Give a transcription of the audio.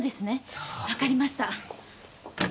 わかりました。